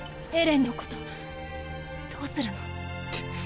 エレンのことどうするの？